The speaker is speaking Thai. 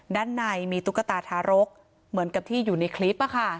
ด้านในมีตุ๊กตาทารกเหมือนกับที่อยู่ในคลิป